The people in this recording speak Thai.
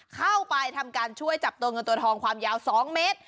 เข้าไปทำการช่วยจับตัวเงินตัวทองความยาว๒เมตร